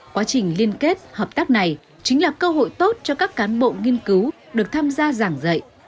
quá trình liên kết hợp tác này chính là cơ hội tốt cho các cán bộ nghiên cứu được tham gia giảng dạy